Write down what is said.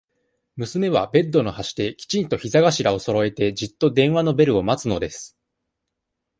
娘は、ベッドの端で、きちんと膝頭をそろえて、じっと、電話のベルを待つのです。